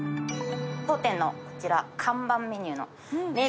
当店のこちら、看板メニューの名物！